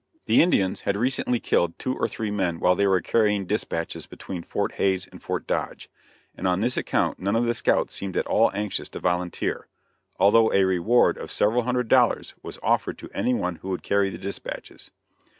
The Indians had recently killed two or three men while they were carrying dispatches between Fort Hays and Fort Dodge, and on this account none of the scouts seemed at all anxious to volunteer, although a reward of several hundred dollars was offered to any one who would carry the dispatches.